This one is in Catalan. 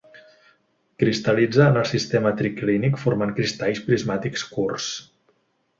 Cristal·litza en el sistema triclínic formant cristalls prismàtics curts.